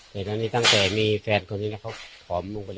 เห็นอันนี้ตั้งแต่มีแฟนคนนี้แล้วเขาถอมมุมไปเลย